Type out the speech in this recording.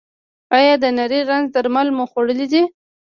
ایا د نري رنځ درمل مو خوړلي دي؟